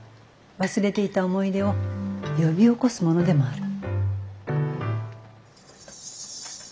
忘れていた思い出を呼び起こすものでもある。